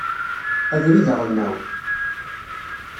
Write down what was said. Abrid aɣelnaw.